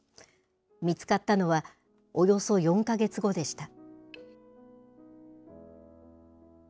見つかったのは、およそ４か月後でした。